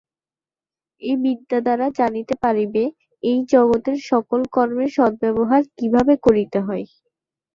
এই বিদ্যা দ্বারা জানিতে পারিবে, এই জগতের সকল কর্মের সদ্ব্যবহার কিভাবে করিতে হয়।